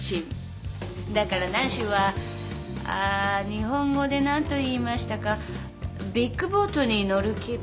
だからナンシーはあ日本語で何といいましたかビッグボートに乗る気分。